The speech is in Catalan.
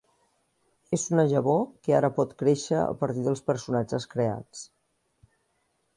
És una llavor que ara pot créixer a partir dels personatges creats.